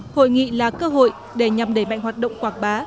hội nghị là cơ hội để nhằm đẩy mạnh hoạt động quảng bá